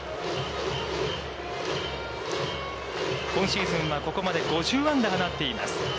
今シーズンはここまで５０安打放っています。